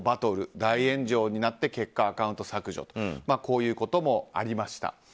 大炎上になって結果、アカウント削除ということもありました。